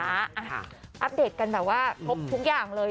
อัปเดตกันแบบว่าครบทุกอย่างเลย